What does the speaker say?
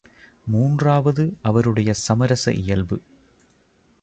மூன்றாவது அவருடைய சமரச இயல்பு.